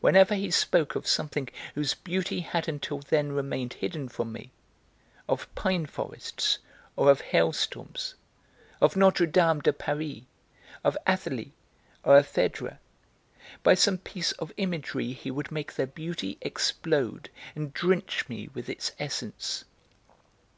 Whenever he spoke of something whose beauty had until then remained hidden from me, of pine forests or of hailstorms, of Notre Dame de Paris, of Athalie, or of Phèdre, by some piece of imagery he would make their beauty explode and drench me with its essence.